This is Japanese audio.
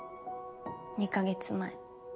２カ月前。